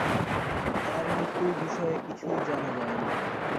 তার মৃত্যুর বিষয়ে কিছুই জানা যায়নি।